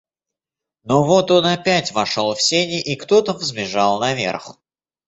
Но вот он опять вошел в сени, и кто-то взбежал наверх.